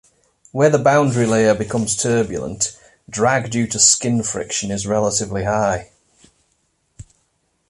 Where the boundary layer becomes turbulent, drag due to skin friction is relatively high.